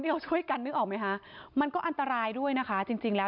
เราช่วยกันนึกออกไหมคะมันก็อันตรายด้วยนะคะจริงจริงแล้ว